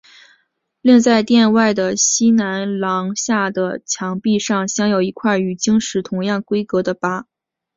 另在殿外的西南廊下的墙壁上镶有一块与经石同样规格的跋。